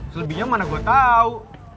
selebihnya mana gue tahu